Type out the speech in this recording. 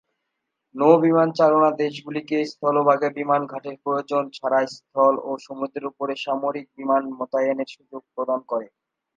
নৌ বিমান চালনা দেশগুলিকে স্থলভাগে বিমান ঘাঁটির প্রয়োজন ছাড়াই স্থল ও সমুদ্রের উপরে সামরিক বিমান মোতায়েনের সুযোগ প্রদান করে।